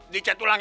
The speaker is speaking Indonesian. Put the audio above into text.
dicet ulang ya